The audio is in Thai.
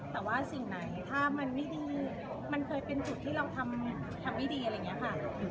แต่ว่าสิ่งไหนถ้ามันไม่ดีมันเคยเป็นจุดที่เราทำไม่ดีอะไรอย่างนี้ค่ะ